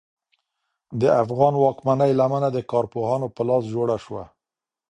د افغان واکمنۍ لمنه د کارپوهانو په لاس جوړه شوه.